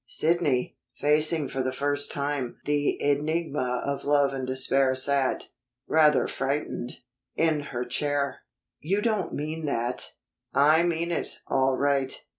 Sidney, facing for the first time the enigma of love and despair sat, rather frightened, in her chair. "You don't mean that!" "I mean it, all right.